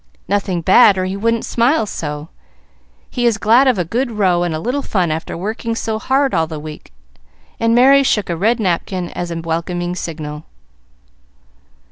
"Nothing bad, or he wouldn't smile so. He is glad of a good row and a little fun after working so hard all the week;" and Merry shook a red napkin as a welcoming signal.